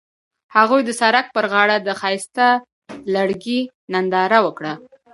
هغوی د سړک پر غاړه د ښایسته لرګی ننداره وکړه.